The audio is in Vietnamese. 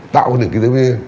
tạo ra những kinh tế viên